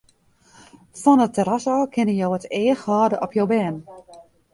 Fan it terras ôf kinne jo it each hâlde op jo bern.